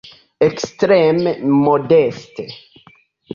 Ekstreme modeste.